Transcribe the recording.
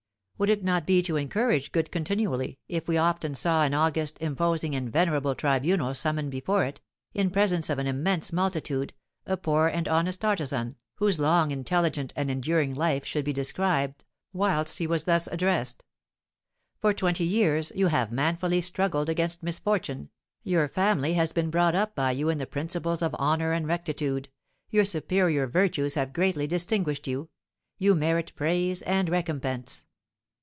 Would it not be to encourage good continually, if we often saw an august, imposing, and venerable tribunal summon before it, in presence of an immense multitude, a poor and honest artisan, whose long, intelligent, and enduring life should be described, whilst he was thus addressed: "For twenty years you have manfully struggled against misfortune, your family has been brought up by you in the principles of honour and rectitude, your superior virtues have greatly distinguished you, you merit praise and recompense.